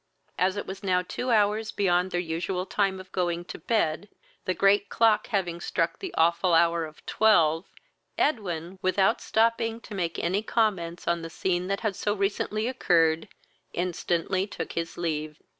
As it was now two hours beyond their usual time of going to bed, the great clock having struck the aweful hour of twelve, Edwin, without stopping to make any comments on the scene that had so recently occurred, instantly took his leave.